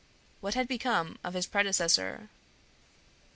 What had become of his predecessor?